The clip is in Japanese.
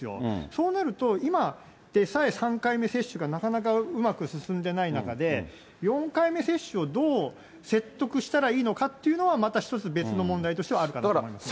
そうなると、今でさえ３回目接種がなかなかうまく進んでいない中で、４回目接種を、どう説得したらいいのかっていうのは、また一つ別の問題としてはあるかなと思います。